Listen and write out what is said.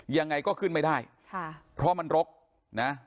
ยังไงก็ขึ้นไม่ได้ค่ะเพราะมันรกนะ